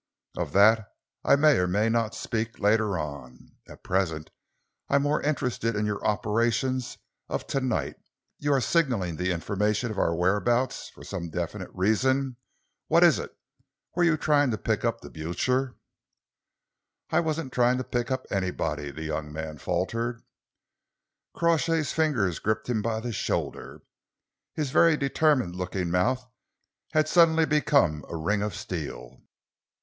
Of that I may or may not speak later on. At present I am more interested in your operations of to night. You are signalling the information of our whereabouts for some definite reason. What is it? Were you trying to pick up the Blucher?" "I wasn't trying to pick up anybody," the young man faltered. Crawshay's fingers gripped him by the shoulder. His very determined looking mouth had suddenly become a ring of steel.